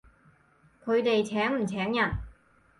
佢哋請唔請人？